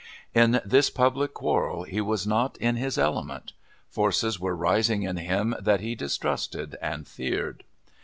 In this public quarrel he was not in his element; forces were rising in him that he distrusted and feared.